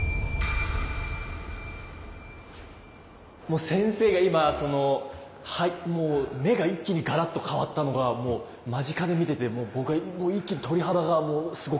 もう先生が今もう目が一気にガラッと変わったのがもう間近で見ててもう僕は一気に鳥肌がもうすごくて。